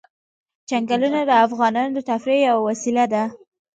چنګلونه د افغانانو د تفریح یوه وسیله ده.